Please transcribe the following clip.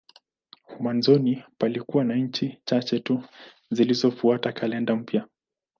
Mwanzoni palikuwa na nchi chache tu zilizofuata kalenda mpya.